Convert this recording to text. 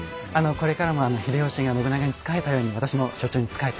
これからも秀吉が信長に仕えたように私も所長に仕えて。